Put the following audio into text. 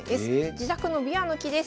自宅のびわの木です。